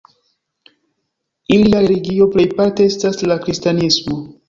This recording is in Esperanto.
Ilia religio plejparte estas la kristanismo.